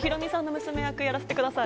やらせてください。